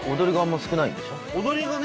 踊りがね。